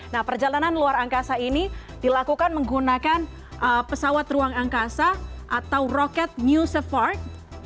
nah perjalanan luar angkasa ini dilakukan menggunakan pesawat ruang angkasa atau roket new separk